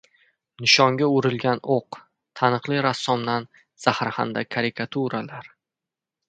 Nishonga urilgan o‘q: taniqli rassomdan zaharxanda karikaturalar